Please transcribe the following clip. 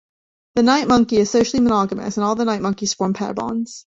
The night monkey is socially monogamous, and all night monkeys form pair bonds.